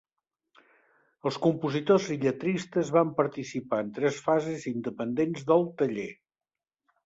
Els compositors i lletristes van participar en tres fases independents del taller.